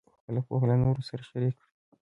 خپله پوهه له نورو سره شریکه کړئ.